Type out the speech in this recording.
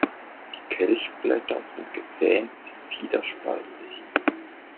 Die Kelchblätter sind gezähnt bis fiederspaltig.